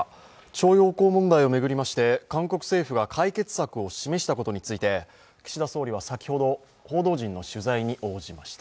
徴用工問題を巡りまして、韓国政府が解決策を示したことについて岸田総理は先ほど、報道陣の取材に応じました。